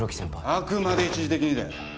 あくまで一時的にだ。